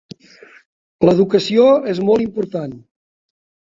L'educació és molt important.